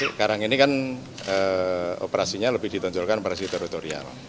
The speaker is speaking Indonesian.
sekarang ini kan operasinya lebih ditonjolkan operasi teritorial